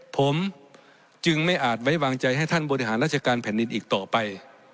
ผมจึงไม่อาจไว้วางใจให้ท่านบริหารราชการแผ่นดินอีกต่อไป